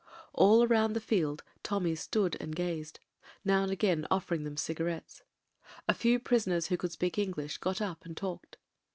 All around the field Tommies stood and gazed, now and 294 MEN, WOMEN AND GUNS again offering them cigarettes. A few prisoners wiio could speak English got up and talked.